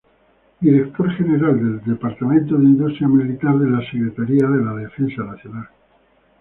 Director general del Departamento de Industria Militar de la Secretaria de la Defensa Nacional.